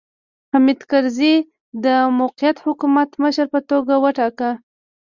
حامد کرزی یې د موقت حکومت مشر په توګه وټاکه.